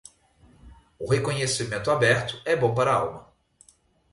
Um reconhecimento aberto é bom para a alma.